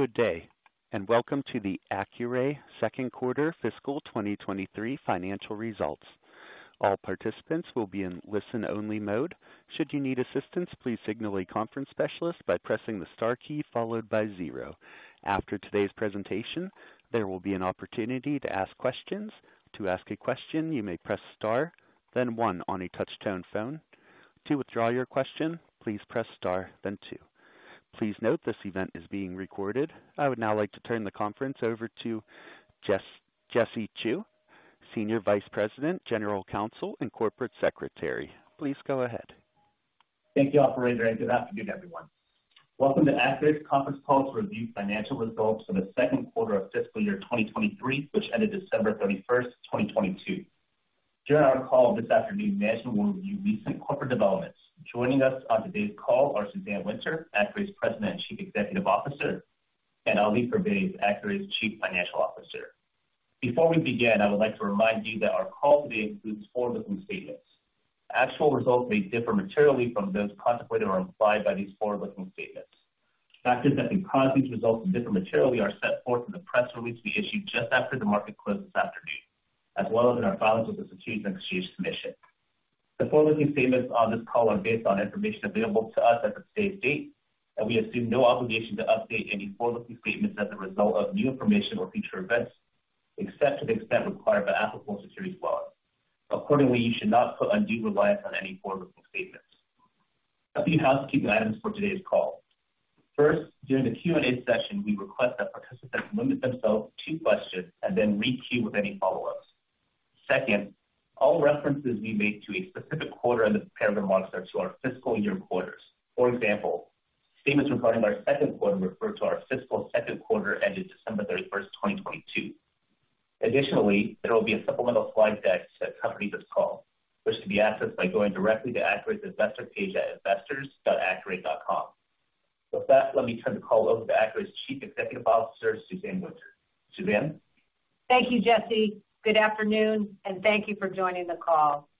Good day, welcome to the Accuray second quarter fiscal 2023 financial results. All participants will be in listen-only mode. Should you need assistance, please signal a conference specialist by pressing the star key followed by zero. After today's presentation, there will be an opportunity to ask questions. To ask a question, you may press star, then one on a touch-tone phone. To withdraw your question, please press star then two. Please note this event is being recorded. I would now like to turn the conference over to Jesse Chew, Senior Vice President, General Counsel, and Corporate Secretary. Please go ahead. Thank you operator, good afternoon, everyone. Welcome to Accuray's conference call to review financial results for the second quarter of fiscal year 2023, which ended December 31, 2022. During our call this afternoon, management will review recent corporate developments. Joining us on today's call are Suzanne Winter, Accuray's President and Chief Executive Officer, and Ali Pervaiz, Accuray's Chief Financial Officer. Before we begin, I would like to remind you that our call today includes forward-looking statements. Actual results may differ materially from those contemplated or implied by these forward-looking statements. Factors that may cause these results to differ materially are set forth in the press release we issued just after the market closed this afternoon, as well as in our filings with the Securities and Exchange Commission. The forward-looking statements on this call are based on information available to us as of today's date, and we assume no obligation to update any forward-looking statements as a result of new information or future events, except to the extent required by applicable securities laws. Accordingly, you should not put undue reliance on any forward-looking statements. A few housekeeping items for today's call. First, during the Q&A session, we request that participants limit themselves to two questions and then re-queue with any follow-ups. Second, all references we make to a specific quarter in the prepared remarks are to our fiscal year quarters. For example, statements regarding our second quarter refer to our fiscal second quarter ended December 31st, 2022. Additionally, there will be a supplemental slide deck to accompany this call, which can be accessed by going directly to Accuray's investor page at investors.accuray.com. With that, let me turn the call over to Accuray's Chief Executive Officer, Suzanne Winter. Suzanne? Thank you, Jesse. Good afternoon, and thank you for joining the call.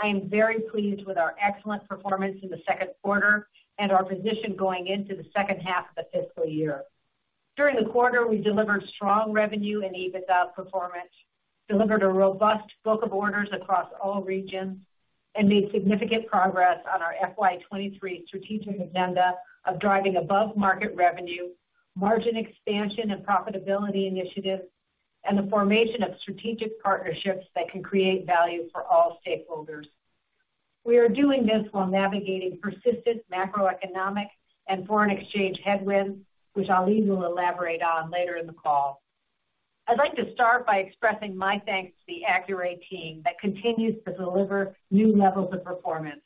I am very pleased with our excellent performance in the second quarter and our position going into the second half of the fiscal year. During the quarter, we delivered strong revenue and EBITDA performance, delivered a robust book of orders across all regions, and made significant progress on our FY 2023 strategic agenda of driving above-market revenue, margin expansion and profitability initiatives, and the formation of strategic partnerships that can create value for all stakeholders. We are doing this while navigating persistent macroeconomic and foreign exchange headwinds, which Ali will elaborate on later in the call. I'd like to start by expressing my thanks to the Accuray team that continues to deliver new levels of performance.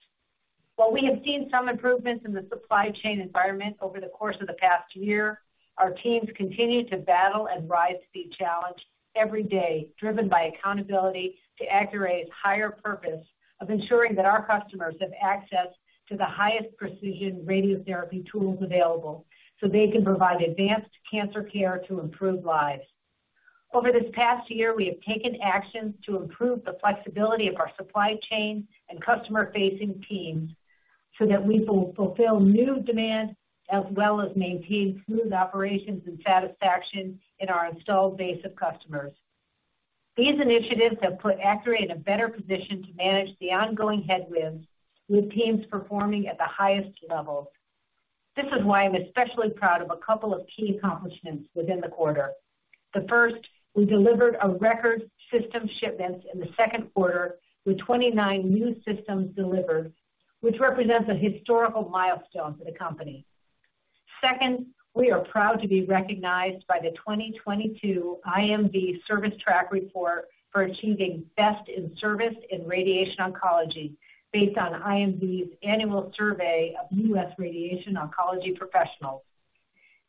While we have seen some improvements in the supply chain environment over the course of the past year, our teams continue to battle and rise to the challenge every day, driven by accountability to Accuray's higher purpose of ensuring that our customers have access to the highest precision radiotherapy tools available, so they can provide advanced cancer care to improve lives. Over this past year, we have taken actions to improve the flexibility of our supply chain and customer-facing teams so that we will fulfill new demand as well as maintain smooth operations and satisfaction in our installed base of customers. These initiatives have put Accuray in a better position to manage the ongoing headwinds, with teams performing at the highest levels. This is why I'm especially proud of a couple of key accomplishments within the quarter. First, we delivered a record system shipments in the second quarter with 29 new systems delivered, which represents a historical milestone for the company. Second, we are proud to be recognized by the 2022 IMV ServiceTrak Report for achieving best in service in radiation oncology based on IMV's annual survey of U.S. radiation oncology professionals.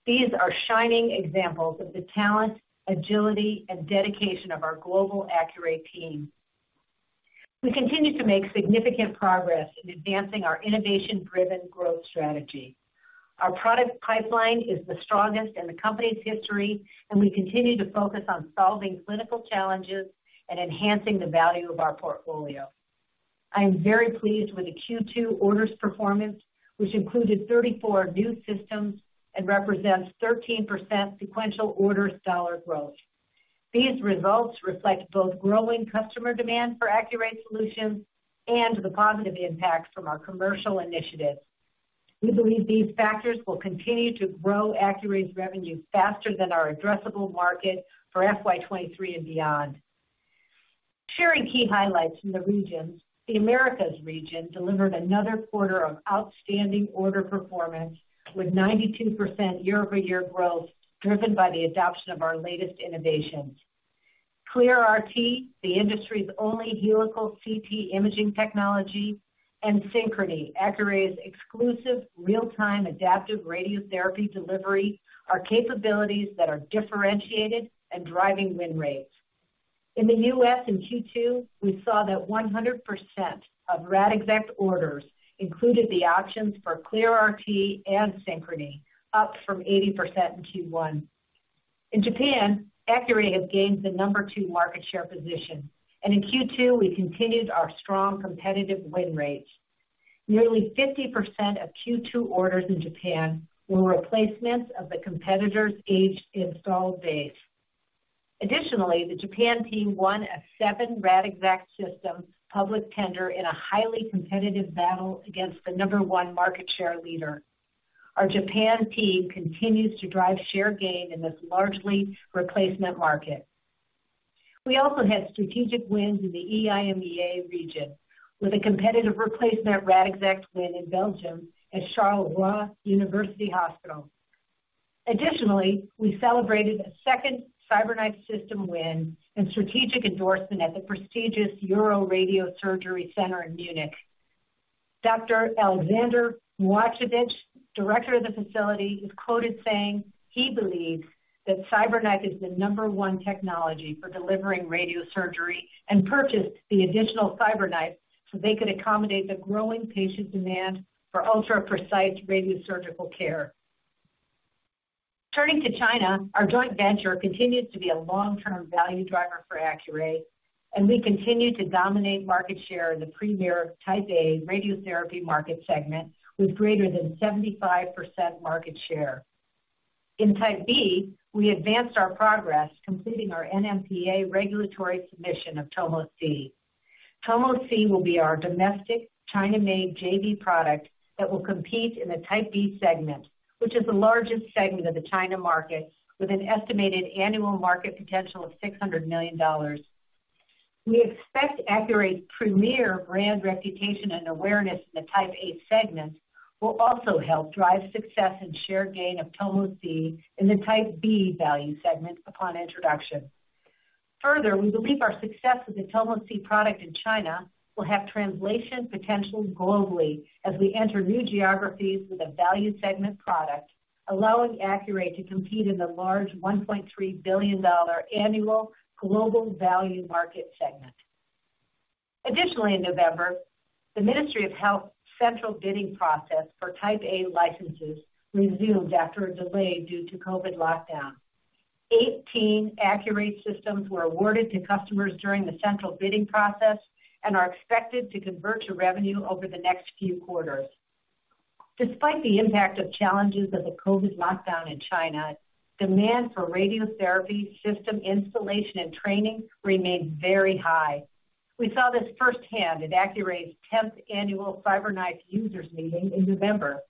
These are shining examples of the talent, agility, and dedication of our global Accuray team. We continue to make significant progress in advancing our innovation-driven growth strategy. Our product pipeline is the strongest in the company's history, and we continue to focus on solving clinical challenges and enhancing the value of our portfolio. I am very pleased with the Q2 orders performance, which included 34 new systems and represents 13% sequential order dollar growth. These results reflect both growing customer demand for Accuray solutions and the positive impact from our commercial initiatives. We believe these factors will continue to grow Accuray's revenue faster than our addressable market for FY 2023 and beyond. Sharing key highlights from the regions. The Americas region delivered another quarter of outstanding order performance with 92% year-over-year growth driven by the adoption of our latest innovations. ClearRT, the industry's only helical CT imaging technology, and Synchrony, Accuray's exclusive real-time adaptive radiotherapy delivery, are capabilities that are differentiated and driving win rates. In the U.S. in Q2, we saw that 100% of Radixact orders included the options for ClearRT and Synchrony, up from 80% in Q1. In Japan, Accuray has gained the number two market share position, and in Q2 we continued our strong competitive win rates. Nearly 50% of Q2 orders in Japan were replacements of the competitor's aged installed base. The Japan team won a seven Radixact system public tender in a highly competitive battle against the number one market share leader. Our Japan team continues to drive share gain in this largely replacement market. We also had strategic wins in the EMEA region with a competitive replacement Radixact win in Belgium at Charleroi University Hospital. We celebrated a second CyberKnife system win and strategic endorsement at the prestigious European Radiosurgery Center Munich. Dr. Alexander Muacevic, director of the facility, is quoted saying he believes that CyberKnife is the number one technology for delivering radiosurgery and purchased the additional CyberKnife so they could accommodate the growing patient demand for ultra-precise radiosurgical care. Turning to China, our joint venture continues to be a long-term value driver for Accuray. We continue to dominate market share in the premier Type A radiotherapy market segment with greater than 75% market share. In Type B, we advanced our progress, completing our NMPA regulatory submission of Tomo C. Tomo C will be our domestic China-made JV product that will compete in the Type B segment, which is the largest segment of the China market with an estimated annual market potential of $600 million. We expect Accuray's premier brand reputation and awareness in the Type A segment will also help drive success and share gain of Tomo C in the Type B value segment upon introduction. Further, we believe our success with the Tomo C product in China will have translation potential globally as we enter new geographies with a value segment product, allowing Accuray to compete in the large $1.3 billion annual global value market segment. Additionally, in November, the Ministry of Health central bidding process for Type A licenses resumed after a delay due to COVID lockdown. 18 Accuray systems were awarded to customers during the central bidding process and are expected to convert to revenue over the next few quarters. Despite the impact of challenges of the COVID lockdown in China, demand for radiotherapy system installation and training remained very high. We saw this firsthand at Accuray's 10th annual CyberKnife users meeting in November,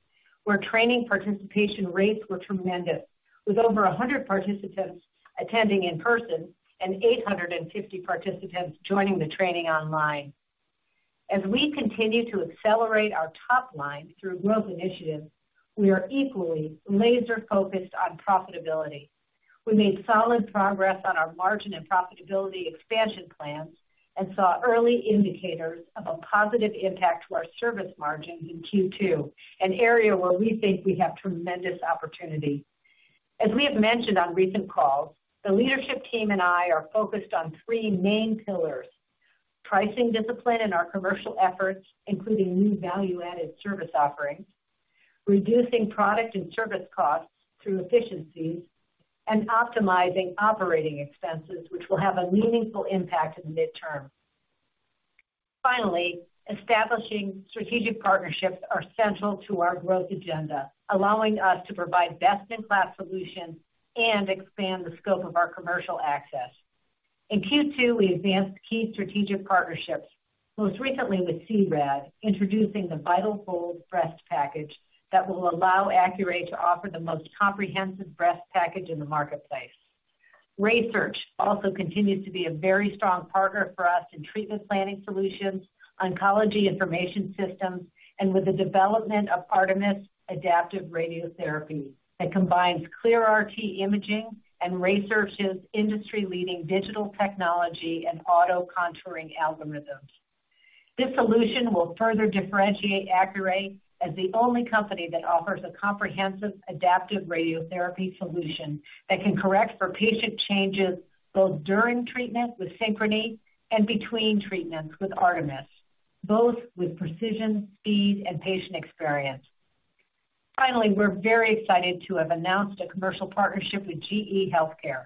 where training participation rates were tremendous, with over 100 participants attending in person and 850 participants joining the training online. As we continue to accelerate our top line through growth initiatives, we are equally laser-focused on profitability. We made solid progress on our margin and profitability expansion plans and saw early indicators of a positive impact to our service margins in Q2, an area where we think we have tremendous opportunity. As we have mentioned on recent calls, the leadership team and I are focused on three main pillars. Pricing discipline in our commercial efforts, including new value-added service offerings, reducing product and service costs through efficiencies, and optimizing operating expenses, which will have a meaningful impact in the mid-term. Finally, establishing strategic partnerships are central to our growth agenda, allowing us to provide best-in-class solutions and expand the scope of our commercial access. In Q2, we advanced key strategic partnerships, most recently with C-RAD, introducing the VitalHold breast package that will allow Accuray to offer the most comprehensive breast package in the marketplace. RaySearch also continues to be a very strong partner for us in treatment planning solutions, oncology information systems, and with the development of ARTemis adaptive radiotherapy that combines ClearRT imaging and RaySearch's industry-leading digital technology and auto-contouring algorithms. This solution will further differentiate Accuray as the only company that offers a comprehensive adaptive radiotherapy solution that can correct for patient changes both during treatment with Synchrony and between treatments with ARTemis, both with precision, speed, and patient experience. Finally, we're very excited to have announced a commercial partnership with GE HealthCare.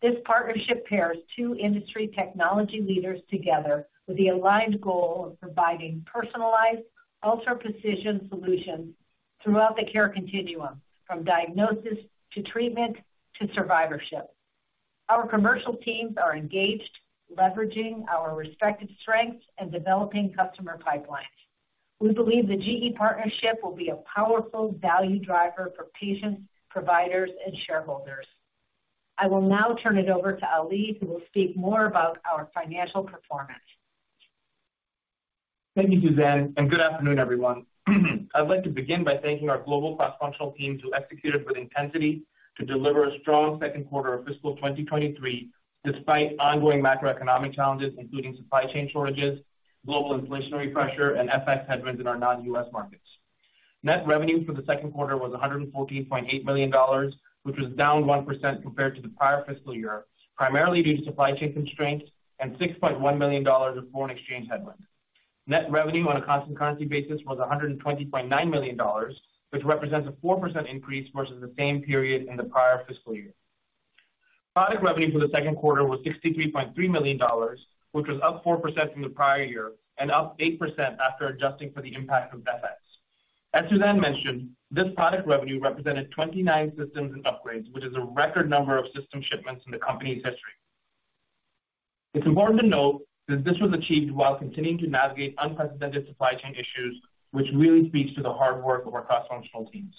This partnership pairs two industry technology leaders together with the aligned goal of providing personalized ultra-precision solutions throughout the care continuum, from diagnosis to treatment to survivorship. Our commercial teams are engaged, leveraging our respective strengths and developing customer pipelines. We believe the GE partnership will be a powerful value driver for patients, providers, and shareholders. I will now turn it over to Ali, who will speak more about our financial performance. Thank you, Suzanne. Good afternoon, everyone. I'd like to begin by thanking our global cross-functional teams w ho executed with intensity to deliver a strong second quarter of fiscal 2023 despite ongoing macroeconomic challenges, including supply chain shortages, global inflationary pressure, and FX headwinds in our non-US markets. Net revenue for the second quarter was $114.8 million, which was down 1% compared to the prior fiscal year, primarily due to supply chain constraints and $6.1 million of foreign exchange headwinds. Net revenue on a constant currency basis was $120.9 million, which represents a 4% increase versus the same period in the prior fiscal year. Product revenue for the second quarter was $63.3 million, which was up 4% from the prior-year and up 8% after adjusting for the impact of FX. As Suzanne mentioned, this product revenue represented 29 systems and upgrades, which is a record number of system shipments in the company's history. It's important to note that this was achieved while continuing to navigate unprecedented supply chain issues, which really speaks to the hard work of our cross-functional teams.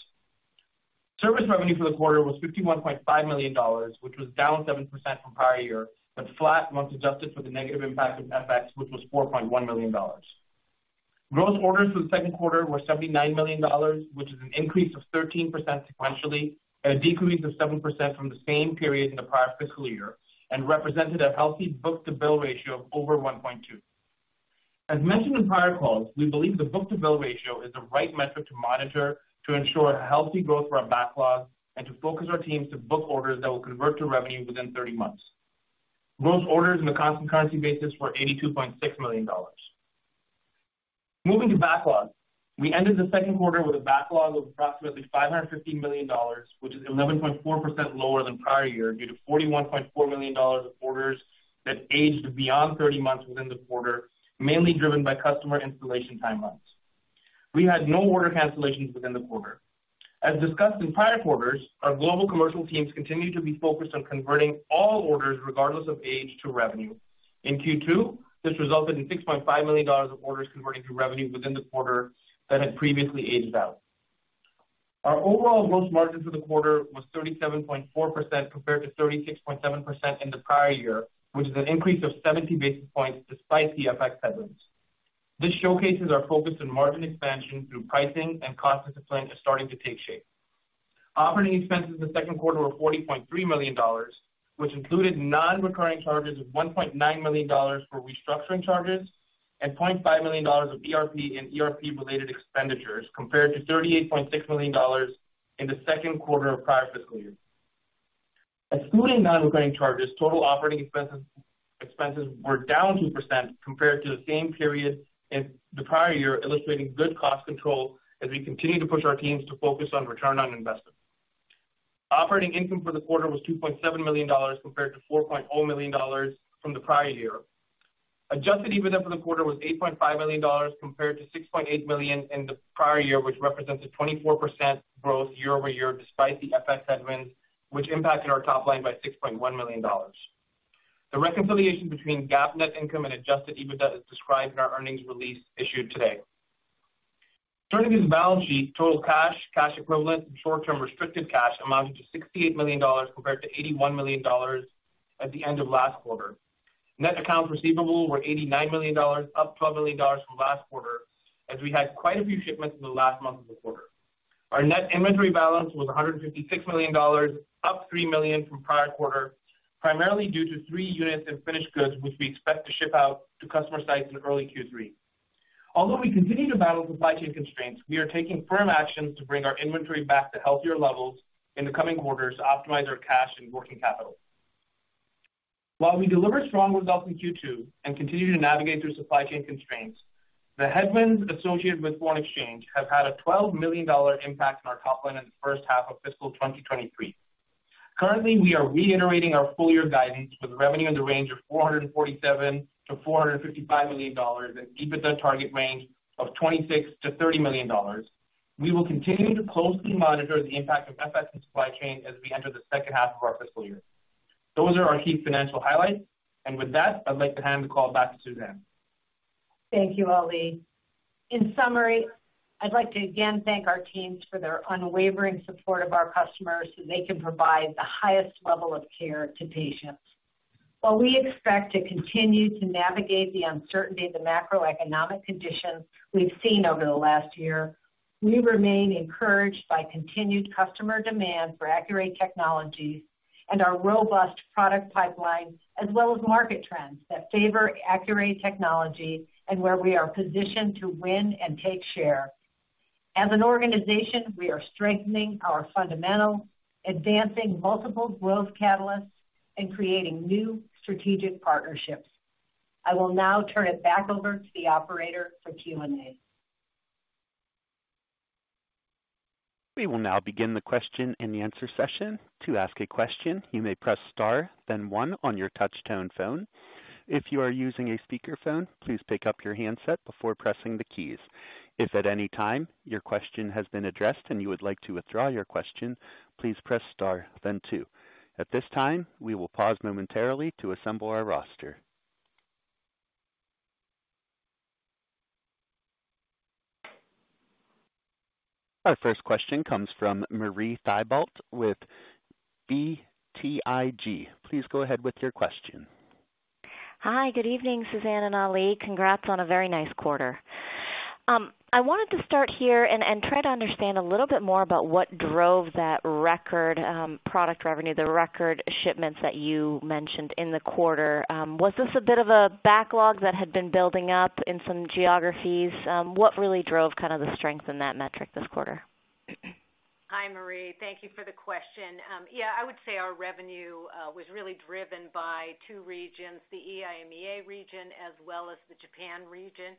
Service revenue for the quarter was $51.5 million, which was down 7% from prior-year, but flat once adjusted for the negative impact of FX, which was $4.1 million. Gross orders for the second quarter were $79 million, which is an increase of 13% sequentially and a decrease of 7% from the same period in the prior fiscal year, represented a healthy book-to-bill ratio of over 1.2. As mentioned in prior calls, we believe the book-to-bill ratio is the right metric to monitor to ensure healthy growth for our backlog and to focus our teams to book orders that will convert to revenue within 30 months. Gross orders on a constant currency basis were $82.6 million. Moving to backlog. We ended the second quarter with a backlog of approximately $515 million, which is 11.4% lower than prior-year due to $41.4 million of orders that aged beyond 30 months within the quarter, mainly driven by customer installation timelines. We had no order cancellations within the quarter. As discussed in prior quarters, our global commercial teams continue to be focused on converting all orders regardless of age to revenue. In Q2, this resulted in $6.5 million of orders converting to revenue within the quarter that had previously aged out. Our overall gross margin for the quarter was 37.4% compared to 36.7% in the prior-year, which is an increase of 70 basis points despite the FX headwinds. This showcases our focus on margin expansion through pricing and cost discipline is starting to take shape. Operating expenses in the second quarter were $40.3 million, which included non-recurring charges of $1.9 million for restructuring charges and $0.5 million of ERP and ERP-related expenditures, compared to $38.6 million in the second quarter of prior fiscal year. Excluding non-recurring charges, total operating expenses were down 2% compared to the same period in the prior-year, illustrating good cost control as we continue to push our teams to focus on return on investment. Operating income for the quarter was $2.7 million compared to $4.0 million from the prior-year. Adjusted EBITDA for the quarter was $8.5 million compared to $6.8 million in the prior-year, which represents a 24% growth year-over-year, despite the FX headwinds, which impacted our top line by $6.1 million. The reconciliation between GAAP net income and Adjusted EBITDA is described in our earnings release issued today. Turning to the balance sheet, total cash equivalents, and short-term restricted cash amounted to $68 million compared to $81 million at the end of last quarter. Net accounts receivable were $89 million, up $12 million from last quarter, as we had quite a few shipments in the last month of the quarter. Our net inventory balance was $156 million, up $3 million from prior-quarter, primarily due to three units in finished goods, which we expect to ship out to customer sites in early Q3. Although we continue to battle supply chain constraints, we are taking firm actions to bring our inventory back to healthier levels in the coming quarters to optimize our cash and working capital. While we delivered strong results in Q2 and continue to navigate through supply chain constraints, the headwinds associated with foreign exchange have had a $12 million impact on our top line in the first half of fiscal 2023. Currently, we are reiterating our full year guidance with revenue in the range of $447 million-$455 million and EBITDA target range of $26 million-$30 million. We will continue to closely monitor the impact of FX and supply chain as we enter the second half of our fiscal year. Those are our key financial highlights. With that, I'd like to hand the call back to Suzanne. Thank you, Ali. In summary, I'd like to again thank our teams for their unwavering support of our customers so they can provide the highest level of care to patients. While we expect to continue to navigate the uncertainty of the macroeconomic conditions we've seen over the last year, we remain encouraged by continued customer demand for Accuray technologies and our robust product pipeline, as well as market trends that favor Accuray technology and where we are positioned to win and take share. As an organization, we are strengthening our fundamentals, advancing multiple growth catalysts, and creating new strategic partnerships. I will now turn it back over to the operator for Q&A. We will now begin the question and answer session. To ask a question, you may press star, then one on your touch tone phone. If you are using a speaker phone, please pick up your handset before pressing the keys. If at any time your question has been addressed and you would like to withdraw your question, please press star then two. At this time, we will pause momentarily to assemble our roster. Our first question comes from Marie Thibault with BTIG. Please go ahead with your question. Hi, good evening, Suzanne and Ali. Congrats on a very nice quarter. I wanted to start here and try to understand a little bit more about what drove that record product revenue, the record shipments that you mentioned in the quarter. Was this a bit of a backlog that had been building up in some geographies? What really drove kind of the strength in that metric this quarter? Thank you for the question. Yeah, I would say our revenue was really driven by two regions, the EMEA region as well as the Japan region.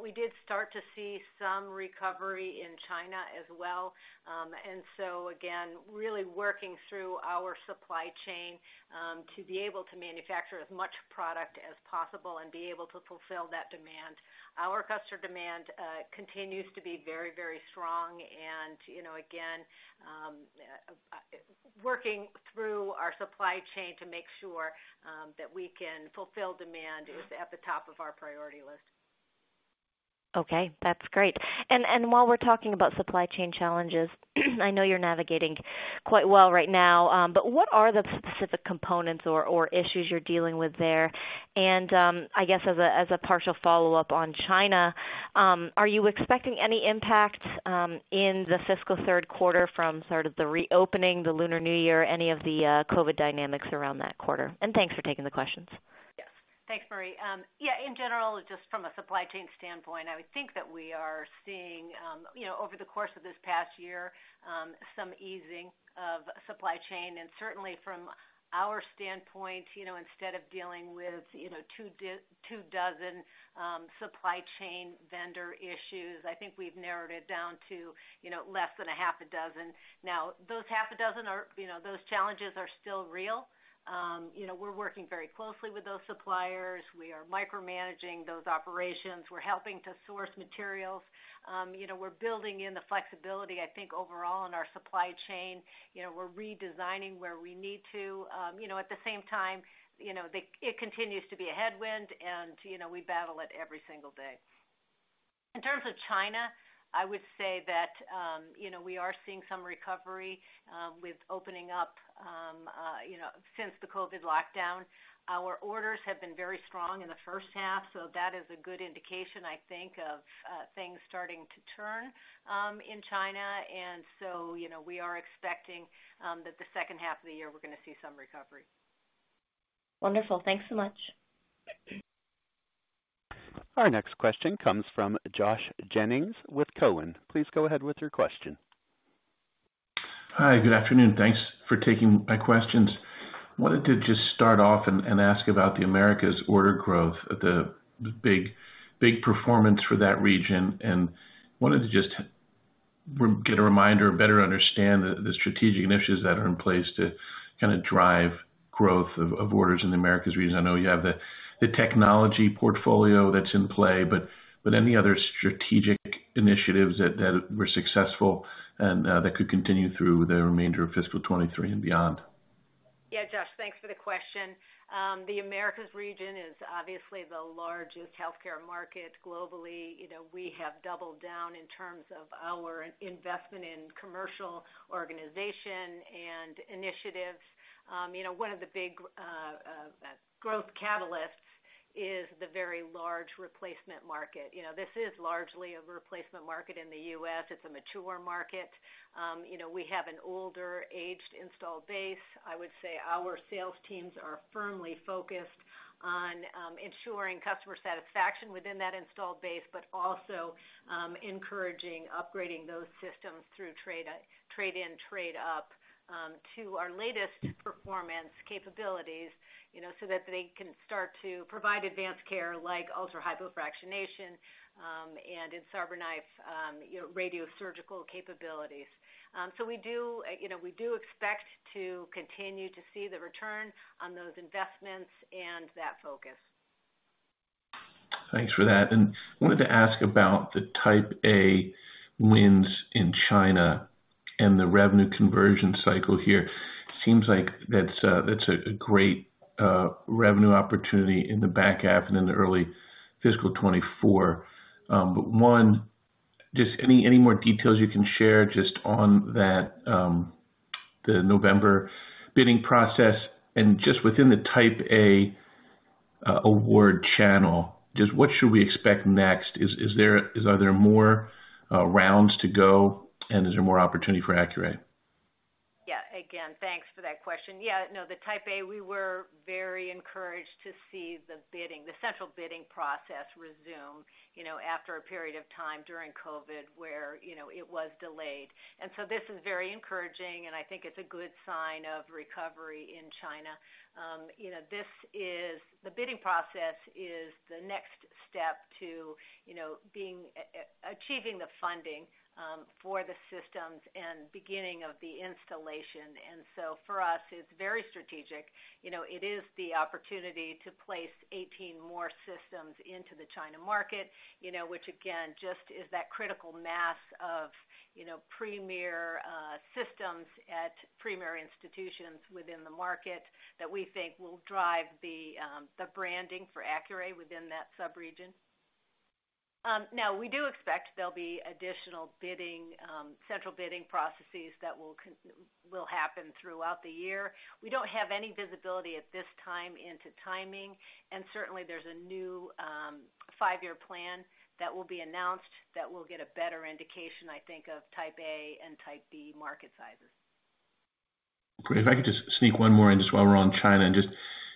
We did start to see some recovery in China as well. Again, really working through our supply chain to be able to manufacture as much product as possible and be able to fulfill that demand. Our customer demand continues to be very, very strong. You know, again, working through our supply chain to make sure that we can fulfill demand is at the top of our priority list. Okay, that's great. While we're talking about supply chain challenges, I know you're navigating quite well right now, but what are the specific components or issues you're dealing with there? I guess as a partial follow-up on China, are you expecting any impact in the fiscal third quarter from sort of the reopening, the Lunar New Year, any of the COVID dynamics around that quarter? Thanks for taking the questions. Yes. Thanks, Marie. Yeah, in general, just from a supply chain standpoint, I would think that we are seeing, you know, over the course of this past year, some easing of supply chain. Certainly from our standpoint, you know, instead of dealing with, you know, two dozen supply chain vendor issues, I think we've narrowed it down to, you know, less than a half a dozen. Those half a dozen are, you know, those challenges are still real. You know, we're working very closely with those suppliers. We are micromanaging those operations. We're helping to source materials. You know, we're building in the flexibility, I think, overall in our supply chain. You know, we're redesigning where we need to. You know, at the same time, you know, it continues to be a headwind, and, you know, we battle it every single day. In terms of China, I would say that, you know, we are seeing some recovery with opening up, you know, since the COVID lockdown. Our orders have been very strong in the first half. That is a good indication, I think, of things starting to turn in China. We are expecting, you know, that the second half of the year we're going to see some recovery. Wonderful. Thanks so much. Thank you. Our next question comes from Josh Jennings with Cowen. Please go ahead with your question. Hi, good afternoon. Thanks for taking my questions. Wanted to just start off and ask about the Americas order growth, the big performance for that region, and wanted to just get a reminder or better understand the strategic initiatives that are in place to kind of drive growth of orders in the Americas region. I know you have the technology portfolio that's in play, but any other strategic initiatives that were successful and that could continue through the remainder of fiscal 2023 and beyond? Yeah, Josh, thanks for the question. The Americas region is obviously the largest healthcare market globally. You know, we have doubled down in terms of our investment in commercial organization and initiatives. You know, one of the big growth catalysts is the very large replacement market. You know, this is largely a replacement market in the U.S. It's a mature market. You know, we have an older aged installed base. I would say our sales teams are firmly focused on ensuring customer satisfaction within that installed base, but also encouraging upgrading those systems through trade in, trade up to our latest performance capabilities, you know, so that they can start to provide advanced care like ultra-hypofractionation, and in CyberKnife, you know, radiosurgical capabilities. We do, you know, we do expect to continue to see the return on those investments and that focus. Thanks for that. Wanted to ask about the Type A wins in China and the revenue conversion cycle here. Seems like that's a great revenue opportunity in the back half and in the early fiscal 2024. One, just any more details you can share just on that the November bidding process and just within the Type A award channel, just what should we expect next? Are there more rounds to go, and is there more opportunity for Accuray? Again, thanks for that question. No. The Type A, we were very encouraged to see the bidding, the central bidding process resume, you know, after a period of time during COVID where, you know, it was delayed. This is very encouraging, and I think it's a good sign of recovery in China. You know, the bidding process is the next step to, you know, being achieving the funding for the systems and beginning of the installation. For us, it's very strategic. You know, it is the opportunity to place 18 more systems into the China market, you know, which again, just is that critical mass of, you know, premier systems at premier institutions within the market that we think will drive the branding for Accuray within that sub-region. We do expect there'll be additional bidding, central bidding processes that will happen throughout the year. We don't have any visibility at this time into timing. Certainly there's a new, five-year plan that will be announced that will get a better indication, I think, of Type A and Type B market sizes. If I could just sneak one more in just while we're on China and just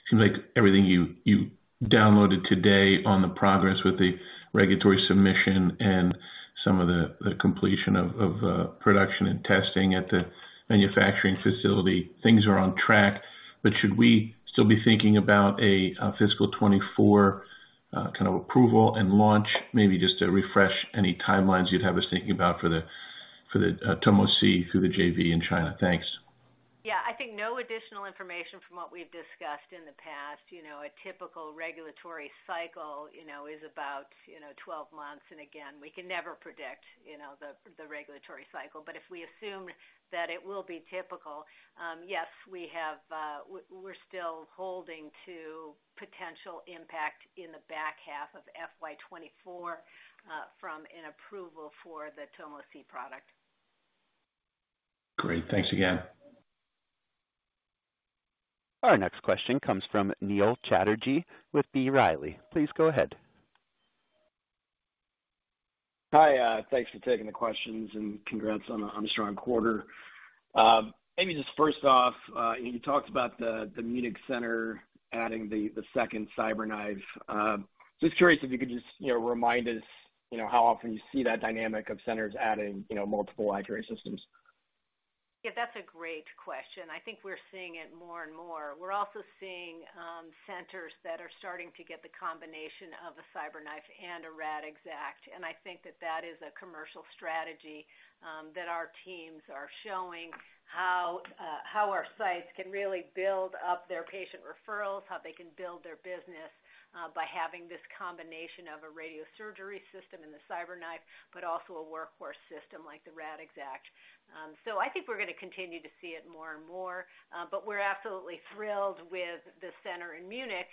seems like everything you downloaded today on the progress with the regulatory submission and some of the completion of production and testing at the manufacturing facility, things are on track. Should we still be thinking about a fiscal 2024 kind of approval and launch? Maybe just to refresh any timelines you'd have us thinking about for the Tomo C through the JV in China. Thanks. Yeah. I think no additional information from what we've discussed in the past. You know, a typical regulatory cycle is about 12 months. Again, we can never predict, you know, the regulatory cycle. If we assume that it will be typical, yes, we're still holding to potential impact in the back half of FY 2024 from an approval for the Tomo C product. Great. Thanks again. Our next question comes from Neil Chatterji with B. Riley. Please go ahead. Hi, thanks for taking the questions and congrats on a strong quarter. Maybe just first off, you talked about the Munich center adding the second CyberKnife. Just curious if you could just, you know, remind us, you know, how often you see that dynamic of centers adding, you know, multiple iTR systems. Yeah, that's a great question. I think we're seeing it more and more. We're also seeing centers that are starting to get the combination of a CyberKnife and a Radixact. I think that that is a commercial strategy that our teams are showing how our sites can really build up their patient referrals, how they can build their business by having this combination of a radiosurgery system in the CyberKnife, but also a workhorse system like the Radixact. I think we're gonna continue to see it more and more. We're absolutely thrilled with the center in Munich,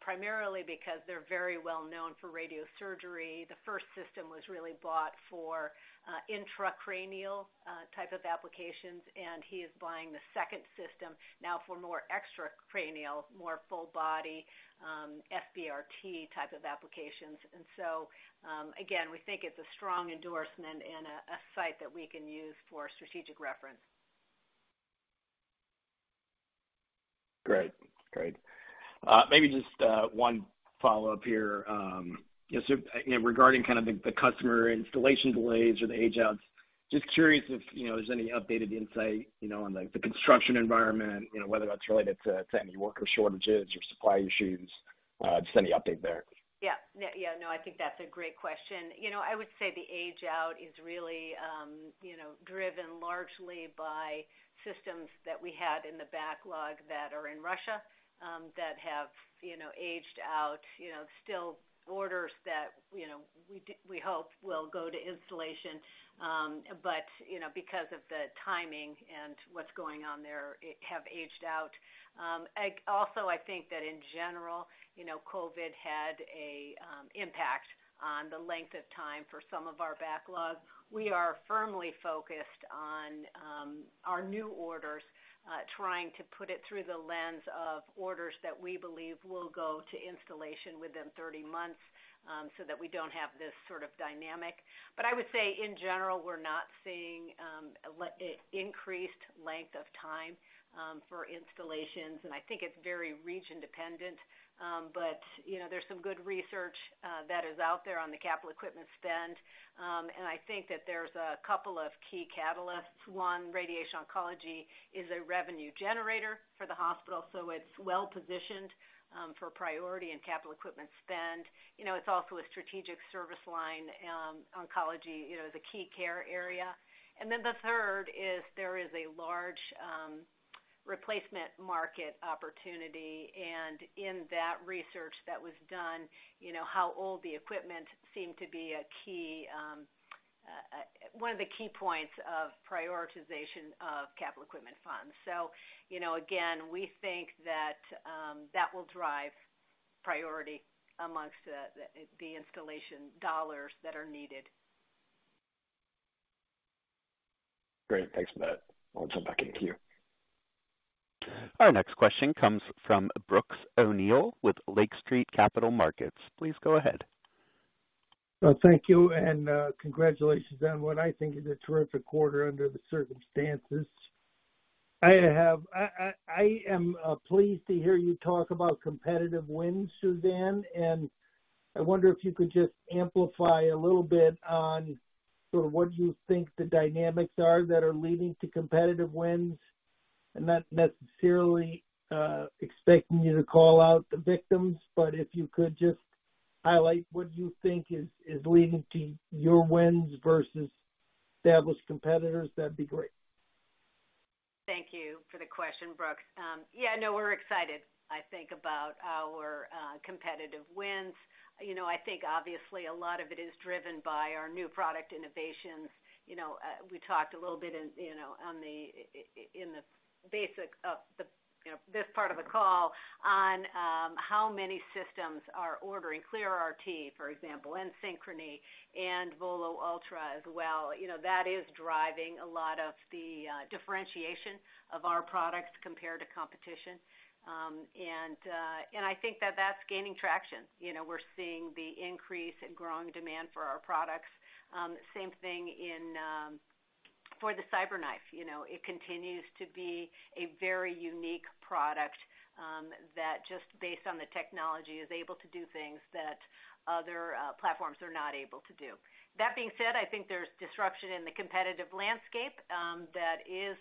primarily because they're very well known for radiosurgery. The first system was really bought for intracranial type of applications, and he is buying the second system now for more extracranial, more full body, SBRT type of applications. Again, we think it's a strong endorsement and a site that we can use for strategic reference. Great. Great. Maybe just one follow-up here. Regarding kind of the customer installation delays or the age-outs, just curious if, you know, there's any updated insight, you know, on like the construction environment, you know, whether that's related to any worker shortages or supply issues. Just any update there. I think that's a great question. I would say the age-out is really driven largely by systems that we had in the backlog that are in Russia that have aged out. Still orders that we hope will go to installation. Because of the timing and what's going on there, it have aged out. Also, I think that in general, COVID had a impact on the length of time for some of our backlog. We are firmly focused on our new orders, trying to put it through the lens of orders that we believe will go to installation within 30 months, so that we don't have this sort of dynamic. I would say in general, we're not seeing an increased length of time for installations, and I think it's very region dependent. You know, there's some good research that is out there on the capital equipment spend. I think that there's a couple of key catalysts. One, radiation oncology is a revenue generator for the hospital, so it's well-positioned for priority and capital equipment spend. You know, it's also a strategic service line. Oncology, you know, is a key care area. The third is there is a large replacement market opportunity. In that research that was done, you know, how old the equipment seemed to be a key, one of the key points of prioritization of capital equipment funds. You know, again, we think that will drive priority amongst the installation dollars that are needed. Great. Thanks for that. I'll jump back in queue. Our next question comes from Brooks O'Neil with Lake Street Capital Markets. Please go ahead. Thank you, and congratulations on what I think is a terrific quarter under the circumstances. I am pleased to hear you talk about competitive wins, Suzanne, and I wonder if you could just amplify a little bit on sort of what you think the dynamics are that are leading to competitive wins. I'm not necessarily expecting you to call out the victims, but if you could just highlight what you think is leading to your wins versus established competitors, that'd be great. Thank you for the question, Brooks. Yeah, no, we're excited, I think, about our competitive wins. You know, I think obviously a lot of it is driven by our new product innovations. You know, we talked a little bit in, you know, on the in the basics of the, you know, this part of the call on how many systems are ordering ClearRT, for example, and Synchrony and VOLO Ultra as well. You know, that is driving a lot of the differentiation of our products compared to competition. I think that that's gaining traction. You know, we're seeing the increase in growing demand for our products. Same thing for the CyberKnife, you know, it continues to be a very unique product, that just based on the technology, is able to do things that other platforms are not able to do. That being said, I think there's disruption in the competitive landscape, that is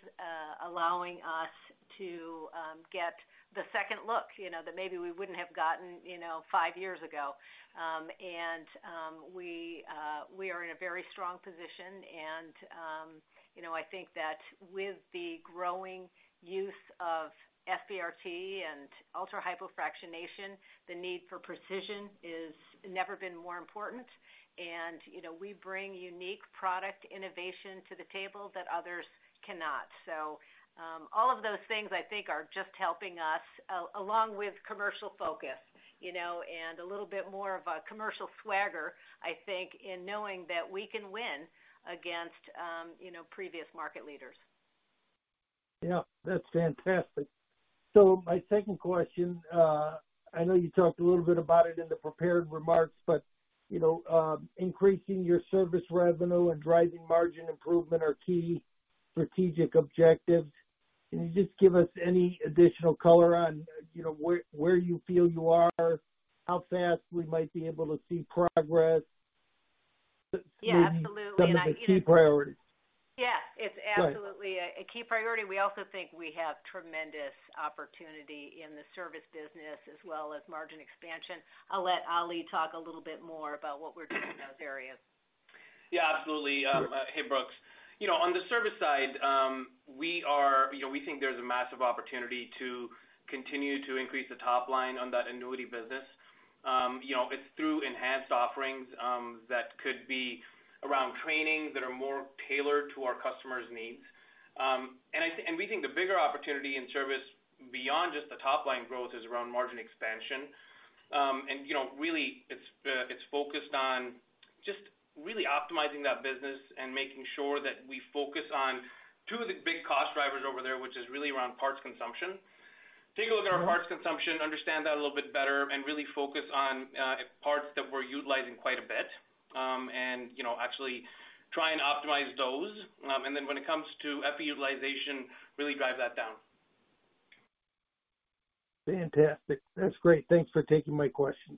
allowing us to get the second look, you know, that maybe we wouldn't have gotten, you know, five years ago. We are in a very strong position and, you know, I think that with the growing use of SBRT and ultra-hypofractionation, the need for precision is never been more important. You know, we bring unique product innovation to the table that others cannot. All of those things I think are just helping us along with commercial focus, you know, and a little bit more of a commercial swagger, I think, in knowing that we can win against, you know, previous market leaders. Yeah, that's fantastic. My second question, I know you talked a little bit about it in the prepared remarks, but, you know, increasing your service revenue and driving margin improvement are key strategic objectives. Can you just give us any additional color on, you know, where you feel you are, how fast we might be able to see progress? Yeah, absolutely. Maybe some of the key priorities. It's absolutely a key priority. We also think we have tremendous opportunity in the service business as well as margin expansion. I'll let Ali talk a little bit more about what we're doing in those areas. Yeah, absolutely. Hey, Brooks. You know, on the service side, You know, we think there's a massive opportunity to continue to increase the top line on that annuity business. You know, it's through enhanced offerings, that could be around training that are more tailored to our customers' needs. We think the bigger opportunity in service beyond just the top line growth is around margin expansion. You know, really it's focused on just really optimizing that business and making sure that we focus on two of the big cost drivers over there, which is really around parts consumption. Take a look at our parts consumption, understand that a little bit better, and really focus on, parts that we're utilizing quite a bit, and, you know, actually try and optimize those. When it comes to FTE Utilization, really drive that down. Fantastic. That's great. Thanks for taking my questions.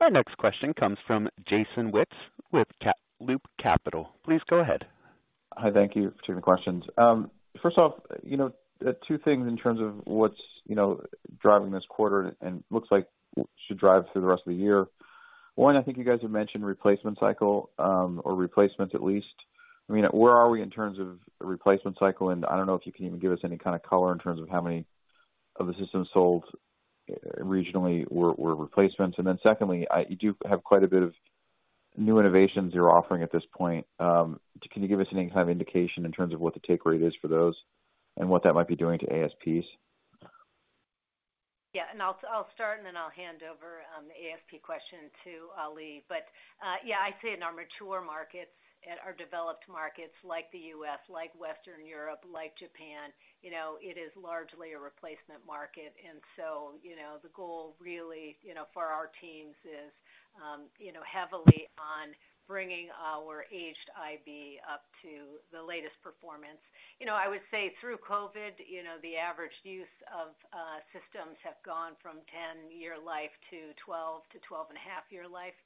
Our next question comes from Jason Wittes with Loop Capital. Please go ahead. Hi, thank you for taking the questions. First off, you know, two things in terms of what's, you know, driving this quarter and looks like should drive through the rest of the year. One, I think you guys have mentioned replacement cycle, or replacements at least. I mean, where are we in terms of replacement cycle? I don't know if you can even give us any kind of color in terms of how many of the systems sold regionally were replacements. Secondly, you do have quite a bit of new innovations you're offering at this point. Can you give us any kind of indication in terms of what the take rate is for those and what that might be doing to ASPs? I'll start and then I'll hand over the ASP question to Ali. I'd say in our mature markets and our developed markets like the U.S., like Western Europe, like Japan, you know, it is largely a replacement market. You know, the goal really, you know, for our teams is, you know, heavily on bringing our aged IB up to the latest performance. You know, I would say through COVID, you know, the average use of systems have gone from 10-year life to 12 to twelve and a half year life.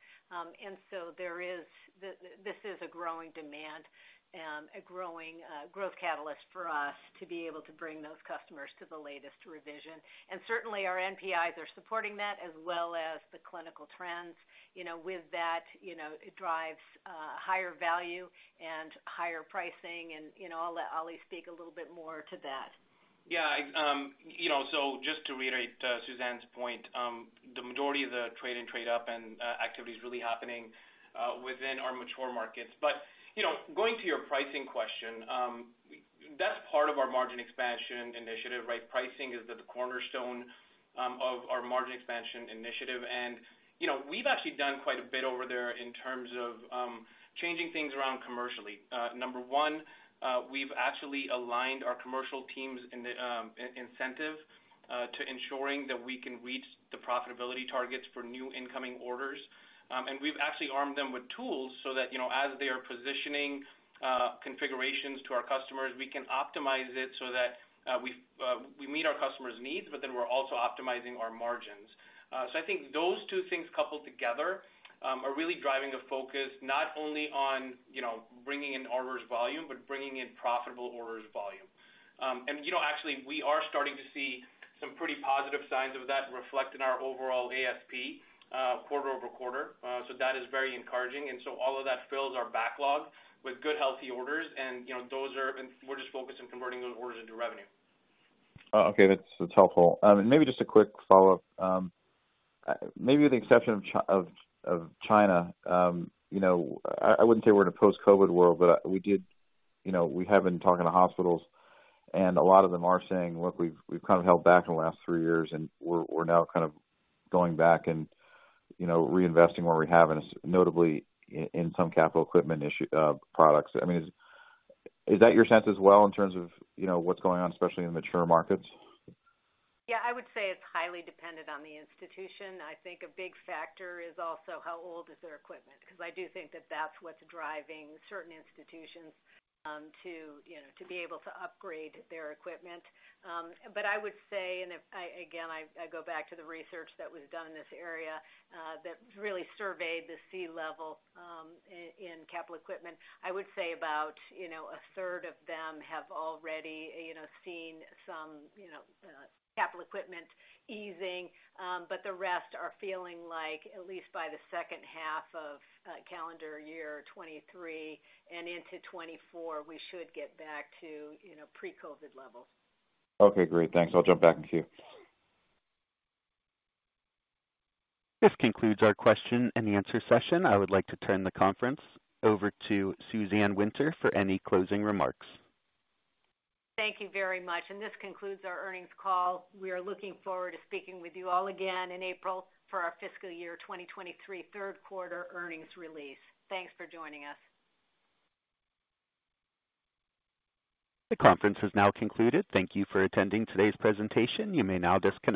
This is a growing demand, a growing growth catalyst for us to be able to bring those customers to the latest revision. Certainly our NPIs are supporting that as well as the clinical trends. You know, with that, you know, it drives higher value and higher pricing. I'll let Ali speak a little bit more to that. Yeah. You know, just to reiterate, Suzanne's point, the majority of the trade and trade up and activity is really happening within our mature markets. You know, going to your pricing question, that's part of our margin expansion initiative, right? Pricing is the cornerstone of our margin expansion initiative. You know, we've actually done quite a bit over there in terms of changing things around commercially. Number one, we've actually aligned our commercial teams in the incentive to ensuring that we can reach the profitability targets for new incoming orders. You know, we've actually armed them with tools so that, you know, as they are positioning configurations to our customers, we can optimize it so that we meet our customers' needs, but then we're also optimizing our margins. I think those two things coupled together, are really driving a focus not only on, you know, bringing in orders volume, but bringing in profitable orders volume. You know, actually, we are starting to see some pretty positive signs of that reflect in our overall ASP, quarter-over-quarter. That is very encouraging. All of that fills our backlog with good, healthy orders. We're just focused on converting those orders into revenue. Okay. That's helpful. Maybe just a quick follow-up. Maybe with the exception of China, you know, I wouldn't say we're in a post-COVID world, but we did, you know, we have been talking to hospitals, and a lot of them are saying, "Look, we've kind of held back in the last three years, and we're now kind of going back and, you know, reinvesting where we have and notably in some capital equipment products." I mean, is that your sense as well in terms of, you know, what's going on, especially in the mature markets? I would say it's highly dependent on the institution. I think a big factor is also how old is their equipment, because I do think that that's what's driving certain institutions to be able to upgrade their equipment. I would say, and if I, again, I go back to the research that was done in this area, that really surveyed the C-level, in capital equipment. I would say about, you know, a third of them have already, you know, seen some, you know, capital equipment easing. The rest are feeling like at least by the second half of calendar year 2023 and into 2024, we should get back to, you know, pre-COVID levels. Okay, great. Thanks. I'll jump back to you. This concludes our question and answer session. I would like to turn the conference over to Suzanne Winter for any closing remarks. Thank you very much. This concludes our earnings call. We are looking forward to speaking with you all again in April for our fiscal year 2023 third quarter earnings release. Thanks for joining us. The conference is now concluded. Thank you for attending today's presentation. You may now disconnect.